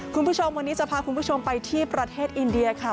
คุณผู้ชมวันนี้จะพาคุณผู้ชมไปที่ประเทศอินเดียค่ะ